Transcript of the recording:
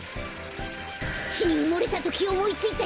つちにうもれたときおもいついた